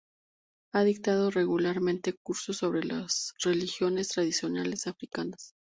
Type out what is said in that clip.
Ha dictado regularmente cursos sobre las religiones tradicionales africanas.